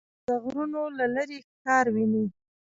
باز د غرونو له لیرې ښکار ویني